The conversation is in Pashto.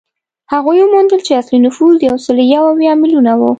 هغوی وموندل چې اصلي نفوس یو سل یو اویا میلیونه و